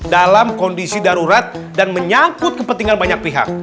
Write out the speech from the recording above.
dalam kondisi darurat dan menyangkut kepentingan banyak pihak